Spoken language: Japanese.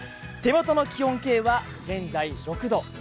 手元の気温計は現在６度。